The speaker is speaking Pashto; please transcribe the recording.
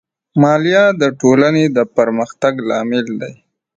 مالیه د ټولنې د پرمختګ لامل دی.